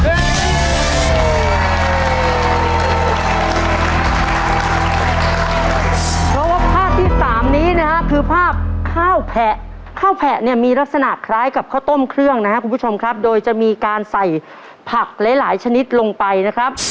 เพราะว่าภาพที่สามนี้นะฮะคือภาพข้าวแข้าวแผะเนี่ยมีลักษณะคล้ายกับข้าวต้มเครื่องนะครับคุณผู้ชมครับโดยจะมีการใส่ผักหลายหลายชนิดลงไปนะครับ